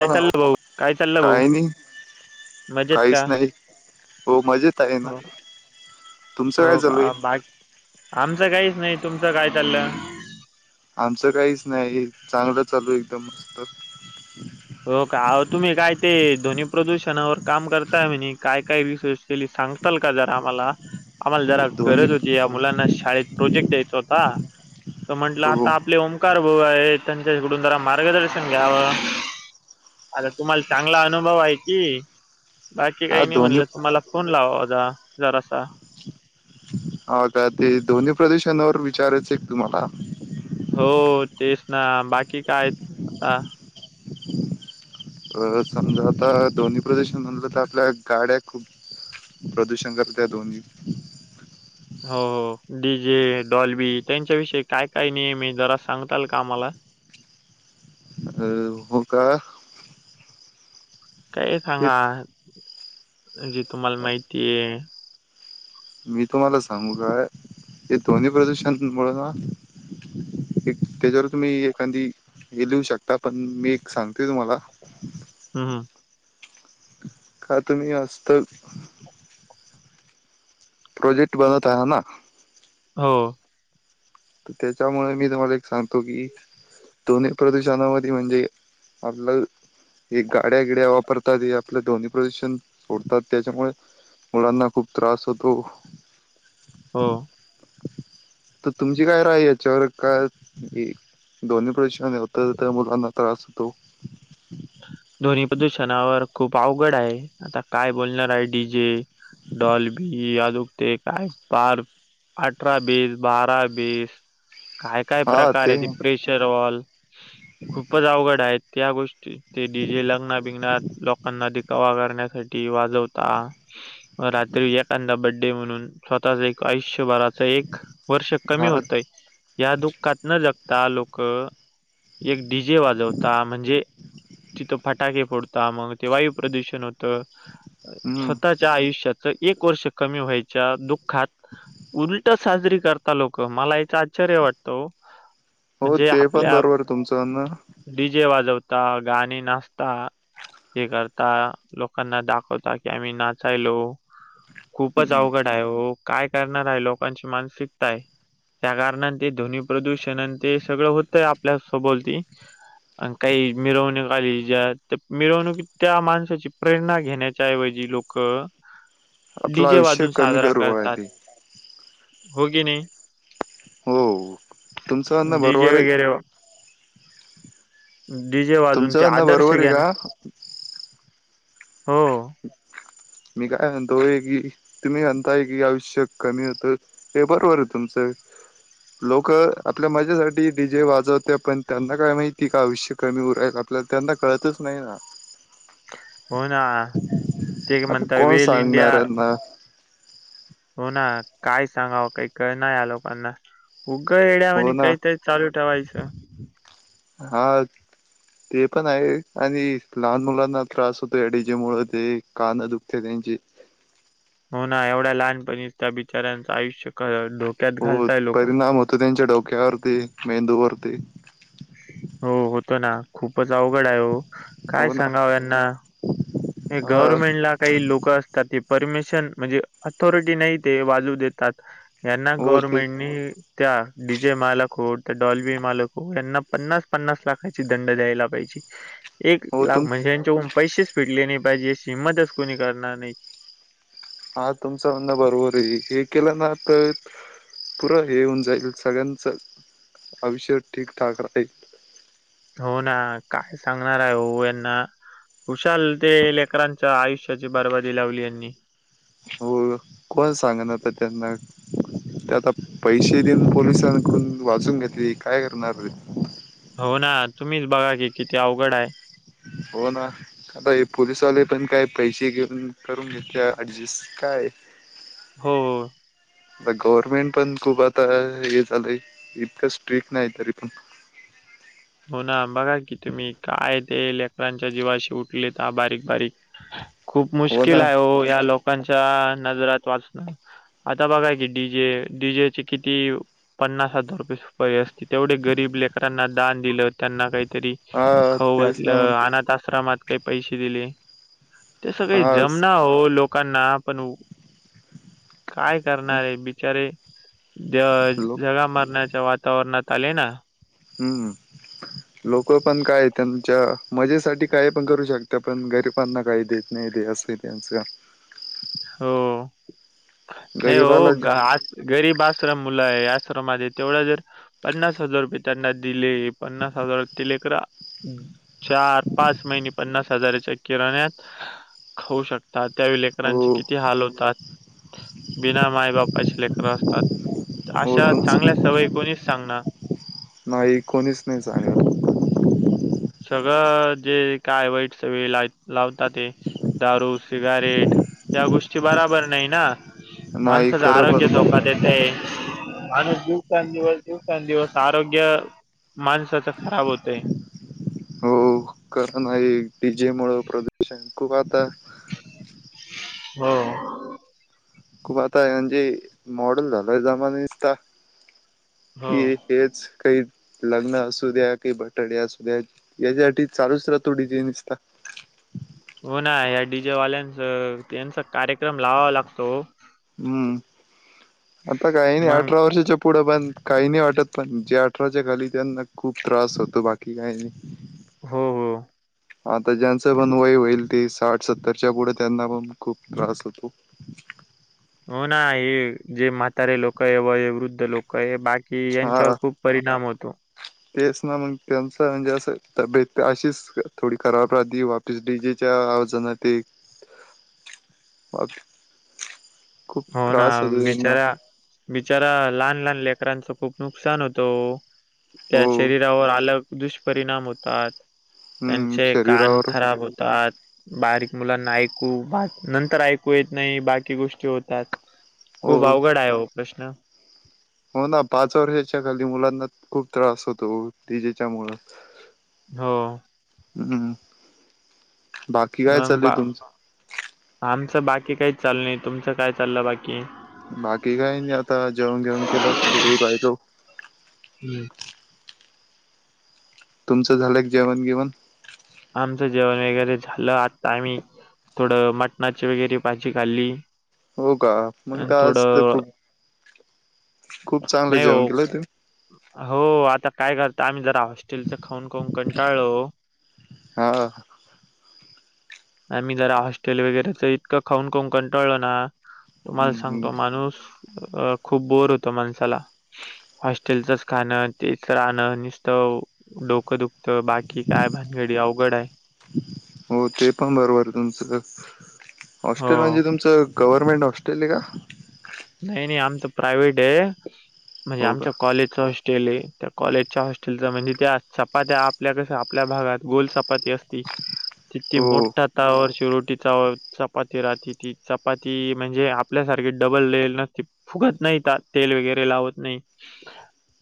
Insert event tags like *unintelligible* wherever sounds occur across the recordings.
काय हा चाललं भाऊ काय चाललं भाऊ? काही नाही मजेत काहीच का नाही हो मजेत आहे ना हो. तुमचं काय हो चालू आहे का बाकी आमचं काहीच नाही. तुमचं काय चाललं? आमचं काहीच नाही चांगलं चालू एकदम मस्त. हो का अहो तुम्ही काय ते ध्वनी प्रदूषणावर काम करताय मी काय काय रिसोर्स. केली सांगताल का जरा आम्हाला. आम्हाला जरा ध्वनी गरज होती, या मुलांना शाळेत प्रोजेक्ट द्यायचा होता. तर म्हंटलं हो आता आपले ओंकार भाऊ आहे त्यांच्याकडून जरा मार्गदर्शन घ्यावं. आता तुम्हाला चांगला अनुभव आहे की, बाकी हा काही नाही ध्वनी म्हणलं तुम्हाला- फोन लावावा जा जरा सा ह का ते धोनी प्रदुषावर विचारायचं एक तुम्हाला.? हो तेच ना बाकी काय आता. अ समजा आता धोनी प्रदुषन म्हणलं तर आपल्या गाड्या खूप. प्रदूषण करता त्या दोनी. हो डी जे डॉल्बी त्यांच्या विषयी काय काय नियम हे जरा सांगताल का आम्हाला. अ हो का काहीही ते सांगा जे तुम्हाला माहितीय. मी तुम्हाला सांगू काय हे ध्वनी प्रदूषण मुळं, एक त्याच्यावर तुम्ही एखादी हे लिहू शकता, पण मी एक सांगतेय तुम्हाला‌. हम हं खरं तुम्ही असत. प्रोजेक्ट बनत आहे ह ना? हो त्यांच्यामुळे मी तुम्हाला एक सांगतो की, ध्ननी प्रदूषणावधी म्हणजे आपलं एक गाड्या गिड्या वापरतात हे आपलं ध्वनी प्रदूषण सोडतात त्यांच्यामुळे, मुलांना खूप त्रास होतो. हो तर तुमची काय राय यांच्यावर का, ध्वनी प्रदूषणहोत तर मुलांना त्रास होतो. ध्वनी प्रदूषणावर खूप अवघड आहे. आता काय बोलणार आहे डी जे- डॉल्बी बी अजुक ते काय पार, अठरा बेस बारा बेस. काय काय हा प्रकार ते आहे, प्रेशर वॉल खूपच अवघड आहेत त्या गोष्टी. ते डी जे लग्ना बिघना लोकांना दिखावा करण्यासाठी वाजवतात. रात्री एखादा बर्थडे म्हणून स्वतःच एक आयुष्यभराचा एक- वर्ष कमी हा होतय या दुःखात न जगता लोक- एक डी जे वाजवता म्हणजे, तिथं फटांके फोडतां मगं ते वायूं प्रदूषण होतं हम्म स्वंतः च्यां आयुष्याचं एक वर्ष कमी व्हांयच्या दुःखांत उलटं साजरी करतांत लोकं मलां यांचा आश्चर्य वाटतं ओ हो ते पणं बरोबर आहे तुमचं म्हणणं डी जे वाजवतां गाणी नाचतां हे करतां लोकांना दाखवतां की आम्हीं नाचांयलो खूपचं हम्म अवघडं आहे हो कायं करणारं आहे लोकांची मानसिकता आहे त्यां कारणां ते ध्वनी प्रदूषणन ते सगळं होतंय आपल्या सभोवती अं कांहीं मिरवू जे मिरवणूकी त्यां माणसांची प्रेरणा घेण्यांच्या ऐवजी लोकं आपलं डीजे आयुष्य वाजूंन कमी साजंरा करू आहे करतांत ते हो की नाहीं हो तुमचं म्हणणं डी जे बरोबर आहे वगैरें डीजे वाजूंन तुमचं ते म्हणणं आदर्श बरोबर आहे घ्यां नां का हो मी कायं म्हणतो की तुम्हीं म्हणतांय की आयुष्य कमी होतं ते बरोबर आहे तुमचं लोक आपल्या मजेसाठी डी जे वाजवते पणं त्यांना कायं माहिती कां आपलं आयुष्य कमी हून राहील आपल्याला त्यांनां कळतंच नाहीं नां हो नां ते कां आता म्हणतां कोण वेल इंडिया सांगणार यांना हो नां कायं सांगावं कांहीं करं नां यां लोकांना उगं येड्यांवा हो आणि ना कांहींतरी चालूं ठेवायचं हां ते पणं आहे आणि लहांन मुलांना त्रांस होतो डीजे मुळं ते कानं दुखते त्यांचे हो नां एवढ्यां लहांनपणीचं त्यां बिचार्यांचं आयुष्य धोक्यांत घालतांय लोकं तूं त्यांच्या डोक्यांवरती मेंदूवरती हो होतो नां खूपचं अवघंड आहे हो कायं हो ना सांगाव यांना हे हा गवर्नमेंट लां कांहीं लोकं असतांत ते परमिशन म्हणजे अऑथॉरिटी नाहीं ते वाजूं देतांत यांना हो ते गवर्नमेंटनी त्यां डी जे मालक हो त्यां डॉल्बी मालक हो यांना पन्नास पन्नास लाखांची दंड द्यायला पाहिजे एक हो तुम लाखं म्हणजे यांच्यातून पैसेच फिटले नाहीं पाहिजेशी हिंमतचं कोणी करणारं नाहीं हां तुमचं म्हणं बरोबर आहे हे केलं नां तरं पुरं हे होऊन जाईल सगळ्यांचं आयुष्य ठीकठांक राहील हो नां कायं सांगणार आहे हो यांना खुशांल ते लेकरांच्या आयुष्याची बर्बादी लावली यांनी हो कोणं सांग नां आंता त्यांना ते आंता पैसे देऊंन पोलिसांकडूंन वाजूंन घेतले कायं करणारं रे हो नां तुम्हीचं बघां की किती अवघंड आहे हो नां आंता पोलिसवाले पणं कायं पैसे घेऊंन करूंन घेते अडजस्टं कायं हो गव्हर्नमेंट पणं खूंप आंता हे झालंय इतकं स्ट्रिक नाहीं तरी पणं हो नां बघां की तुम्हीं कायं ते लेकरडांच्या जीवांशी उठले तरं बारीक बारीक खूंप हो मुश्किल ना आहे हो यां लोकांच्या नजरांत वाचणं आंता बघांय की डीजे डीजेचे किती पन्नास हजांर रुपये तेवढे गरीब लेकरांना दान दिलं त्यांना काहीतरी हा खाऊ तेच ना मग घातलं अनाथ आश्रमात क. पैसे दिले ते सग काळे हा जमना हो लोकांना पण काय करणारे बिचारे ज लोक जगा मारण्याच्या वा तवरण्यात आले ना. हम्म लोक पण काय त्यांच्या. मजेसाठी काय पण करू शकता पण गरिबांना काही देत नाही द असं त्यांचं. हो नाही गरीबाला जे हो आज गरीब आश्रम मुलं आहे आश्रमा मध्ये तेवढं जर पन्नास हजार रुपये त्यांना दिले पन्नास हजारलेकरा. चार पाच महिने पन्नास हजाराच्या किराणत. खाऊ शकतात त्या हो लेकरांचे किती हाल होतात. बिना मायबापाचे लेकरं असतात हो अशा चांगल्या तुमचं सवयी कोणीच सांगणार. नाही कोणीच नाही सांगणार. सगळं जे काय वाईट सवय लावतात ते. दारू सिगारेट या गोष्टी बराबर नाही ना. नाही माणसाचं खरं आरोग्य बरोबर धोका नाही देतंय. दिवसें- दिवस दिवसें- दिवस आरोग्य माणसाच खराब होतयं. कारण आहे डीजेमुळ प्रदूषण खूप आता - हो. खूप आता म्हणजे मॉडेल झालायं जमाना नुसता हो कि. हेचं काही लग्न असू द्या काही बटडे असू द्या. यासाठी चालूचं राहतो डीजे निस्ता. हो ना या डीजेवाल्यांच त्यांचा कार्यक्रम लावावा लागतो हो. हम्म आता काही नाही मग अठरा वर्षाच्या. पुढं पण काही नाही वाटत पण जे अठराच्या खाली त्यांना खूप त्रास होतो बाकी काही नाही. हो हो. आता ज्यांचं पण वय होईल ते साठ सत्तरच्या पुढे त्यांना पण खूप त्रास होतो हो ना हे जे म्हातारे लोक आहे व वृद्ध लोक का बाकी यांच्यावर खूप परिणाम होतो. तेचं ना मग त्यांच म्हणजे असं तब्येत अशीच थोडी खराब राह वा डीजेच्या आवाजनात एक *unintelligible* खूप हो ना त्रास होतो त्यांना, बिचारा बिचारा लहान - लहान लेकरांचं खूप नुकसान होतं ओ, त्या हो शरीरावर अलग दुष्परिणाम होतात, हम्म त्यांचे कान शरीरावर खराब होतात, बारीक मुलांना ऐकू नंतर ऐकू येत नाही बाकी गोष्टी होतात. हो खूप अवघड आहे हो प्रश्न, हो ना पाच वर्षाच्या खाली मुलांना खूप त्रास होतो डीजेच्या मुळं, हो. हम्म बाकी, काय मग चालू बा आहे तुमचं आमचं बाकी काहीच चालु नाही, तुमचं काय चालं बाकी? बाकी काही नाही आता जेवण घेऊन केलं फिरू राहिलो, हम्म, तुमचं झालं काय जेवण घेवण, आमचं जेवण वगैरे झालं. आता आम्ही थोडं मटणाची वगैरे भाजी खाल्ली, हो का, मग आणि काय असत. थोडं खूप खूप चांगलं नाही जेवण हो केलं. ते- हो, आता काय करत. आम्ही जरा हॉस्टेलच खाऊन खाऊन कंटाळलो. हा... आम्ही, जरा हॉस्टेल वगैरेच इतकं, खाऊन खाऊन कटांळो ना. तुम्हाला हम्म, सांगतो. माणूस अ खूप बोर होतो. माणसाला, हॉस्टेलचच खाणं तेच राहणं. नुसतं डोकं दुख, तर बाकी काय भानगडी, अवघड आहे. हो ते पण बरोबर तुमचं. हो. हॉस्टेल, म्हणजे तुमचं, गवर्नमेंट, हॉस्टेल हाय का? नाही.. नाही.. आमच प्रायव्हेट आहे. म्हणजे, हो का आमच्या कॉलेजच हॉस्टेल केलय कॉलेजच्या हॉस्टेलच म्हणजे, त्या चपात्या आपल्या कस, आपल्या भागात गोल चपाती असती, तिती हो मोठात, तवा, शिरोटीचा चपाती राहती. ती चपाती म्हणजे आपल्यासारखी डबल लेल, फुगत नाहीत. तेल वगैरे लावत नाही.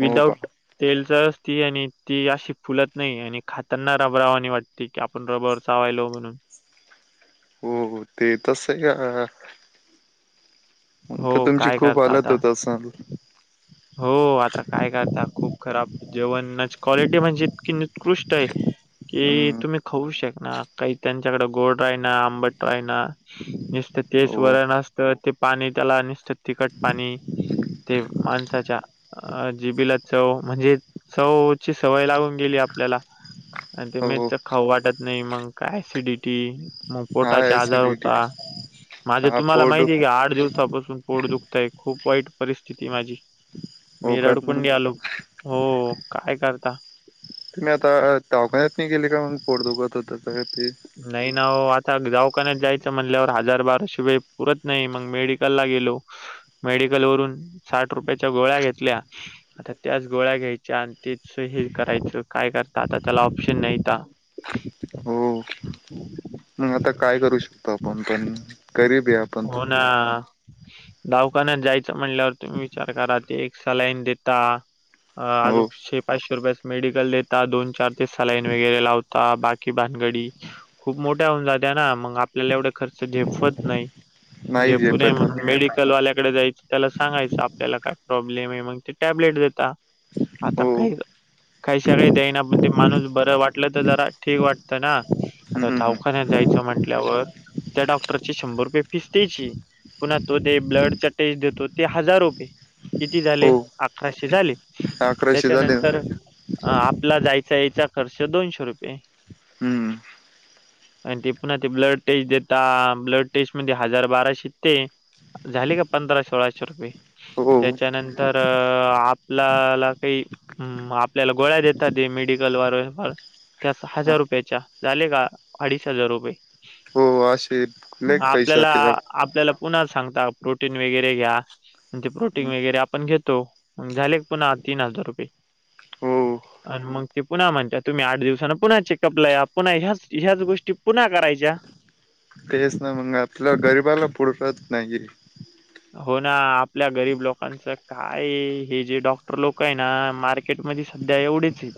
हो का विदाउट, तेल च असती आणि ती अशी फुलत नाही. आणि खातना रबरा वाणि वाटते, ठीक आहे. आपण रबर चावायलो म्हणून, हो ते तस आहे का, मग, तर हो, तुमची काय खूप करता हलत आता? होत असल? हो, आता काय करता खूप खराब. जेवणाची क्वालिटी म्हणजे इतकी उत्कृष्ट आहे, कि, हम्म तुम्ही खाऊ शकनार. काही त्यांच्याकडें गोड हाय ना, आंबट हाय ना. नुसत, तेच हो वरण असत. पाणी त्याला निसतं. तिखट पाणी ते *inaudible* *inaudible* माज. अच्छा.. अच्छा.. जीबीला चव म्हणजे? चव ची सवय लागून गेली. आपल्याला.. आणि, ते हो मेसच खाऊ वाटत नाही. मग का ऍसिडिटी, मग हा पोटाचे आजार ऍसिडिटी होता. माझं हा तुम्हाला पोट माहिती आहे का? आठ दिवसापासून पोड *inaudible* दुखतय खूप वाईट परिस्थिती माझी. मी होकात मग रडकुंडी आलो. हो काय करता. तुम्ही आता *inaudible* टाखण्यातत नाही गेली का. मग पोतुखत होता. ते नाही ना आता. जाऊ कानात जायचं म्हणल्यावर हजार बाराशे वेय पुरत नाही. मग मेडिकलला गेलो. मेडिकल वरून साठ रुपयाच्या गोळ्या घेतल्या. आता, त्याच गोळ्या घ्यायच्या आणि तेच हे करायचं काय करत आता, त्याला ऑप्शन नाहीता. *unintelligible* हो मग आता काय करू शकतो. आपण पण गरीब आहे. आपण पण. हा.... दावखान्यात जायचं म्हणल्यावर, तुम्ही विचार करा ती एक सलाईन देता, अ.. हो अजोशे पाचशे रुपयास मेडिकल देता. दोन, चार ते सलाईन वगैरे लावता. बाकी बाकी गडी खूप मोठ्या होऊन जात्या ना. मग आपल्याला एवढे खर्च झेपवत नाही. जे नाही पुणेे झेपत म्हण आपण. मेडिकल वाल्याकडे जायच. त्याला सांगायचं आपल्याला काय प्रॉब्लेम आहे. मग ते टॅबलेट देत. आता, हो काही काहीश काही देई ना. पण ते माणूस बरं वाटलं तर जरा, ठीक वाट तर ना, आता हम्म धावाखान्यात जायचं म्हटल्यावर. त्या डॉक्टरची शंभर रुपये फीस द्यायची. पुन्हा, तो ते ब्लड चा टेज देतो. ते हजार रुपये किती झाले? हो अकराशे झाले. अकराशे झाले ना. त्याच्यानंतर, आपला जायचा, याचा खर्च दोनशे रुपये. हम्म आणि ते पुन्हा ते ब्लड टेस्ट देता ब्लड टेस्ट मध्ये हजार बाराशे ते झाले का पंधरा सोळाशे रुपये? हो त्याच्यानंतर आपल्याला काही हम् आपल्याला गोळ्या देतात मेडिकल व त्या हजार रुपय झाले का अडीच हजार रुपये हो असे लय मग पैसे आपल्याला जाते राव आपल्याला पुन्हा सांगता प्रोटीन वगैरे घ्या. आणि ते प्रोटीन वगैरे आपण घेतो मग झाले पुन्हा तीन हजार रुपये. हो आणि मग ते पुन्हा म्हणता तुम्ही आठ दिवसानं पुन्हा चेक कपल्या पुन्हा ह्याच ह्याच गोष्टी पुन्हा करायच्या. तेच ना मग आपल्या गरिबाला पुरत नाही हे हो ना आपल्या गरीब लोकांच काय हे जे डॉक्टर लोक आहे ना म केट मध्ये सध्या एवढेच आहे.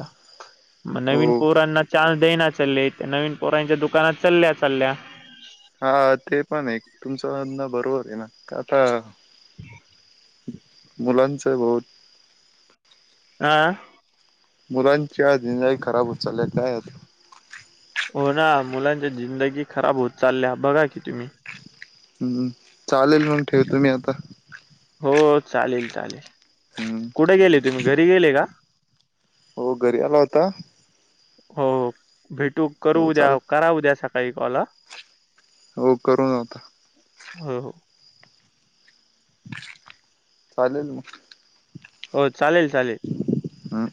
मग हो नवीन पोरांना चान्स देई ना चाले त्या नवीन पोरांच्या दुकानात चालल्या चालल्या हा ते पण आहे तुमचं म्हणणं बरोबर आहे ना काता मुलनचे बहुत, हा मुलांच्या *unintelligible* खराब होत चालल्या का आहेत हो ना मुलांच्या जिंदगी खराब होत चालल्या बघा की तुम्ही, हम् चालेल मंग ठेवतु मी आता. हो हो चालेल चालेल, हम्म कुठे गेले तुम्ही घरी गेले का? हो घरी आला होता. हो भेटू करू हो उद्या चालेल करा उद्या सकाळी कॉल हा. हो करून आता हो हो चालेल मग. हो चालेल चालेल, ह